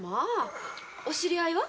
お知り合いは？